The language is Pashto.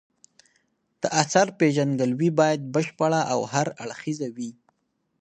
د اثر پېژندګلوي باید بشپړه او هر اړخیزه وي.